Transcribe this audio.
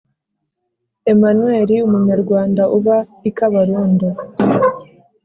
Emmanuel umunyarwanda uba i Kabarondo